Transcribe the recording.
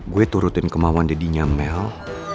gue turutin kemauan deddynya mel